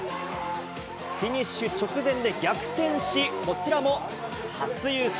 フィニッシュ直前で逆転し、こちらも初優勝。